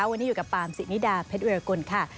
วันนี้อยู่กับปาล์มสินิดาเผ็ดเวียกุลค่ะ